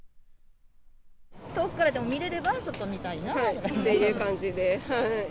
遠くからでも見れれば、ちょっと見たいなっていう感じで。